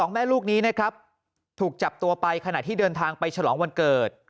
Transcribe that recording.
แม่ลูกนี้นะครับถูกจับตัวไปขณะที่เดินทางไปฉลองวันเกิด